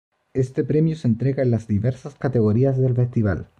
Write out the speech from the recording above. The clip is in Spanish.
Este premio se entrega en las diversas categorías del festival.